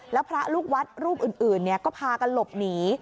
แล้วพระลูกวัดรูปอื่นก็พากันหลบหนี